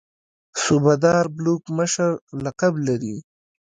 صوبه دار بلوک مشر لقب لري.